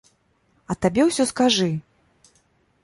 А табе ўсё скажы!